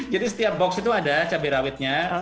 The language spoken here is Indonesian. jadi setiap box itu ada cabai rawitnya